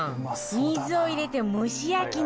水を入れて蒸し焼きにする。